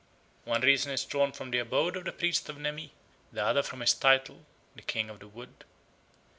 One reason is drawn from the abode of the priest of Nemi; the other from his title, the King of the Wood.